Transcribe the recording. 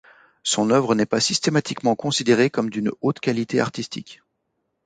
Son œuvre n'est pas systématiquement considérée comme d'une haute qualité artistique.